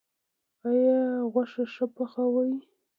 ایا غوښه ښه پخوئ؟